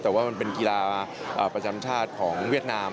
แต่ว่ามันเป็นกีฬาประจำชาติของเวียดนาม